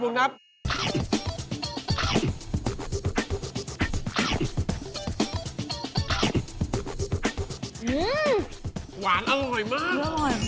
อื้อมหวานอร่อยมากอร่อย